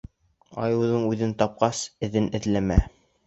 Айыуҙың үҙен тапҡас, эҙен эҙләмә.